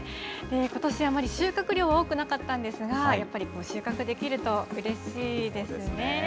ことしはあまり収穫量は多くなかったんですが、やっぱり収穫できるとうれしいですよね。